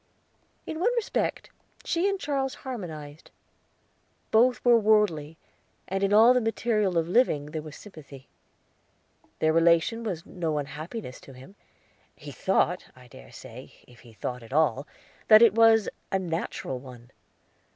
In one respect she and Charles harmonized; both were worldly, and in all the material of living there was sympathy. Their relation was no unhappiness to him; he thought, I dare say, if he thought at all, that it was a natural one.